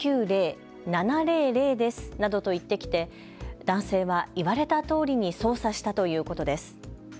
４９０７００ですなどと言ってきて男性は言われたとおりに操作したということです。